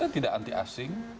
tidak anti asing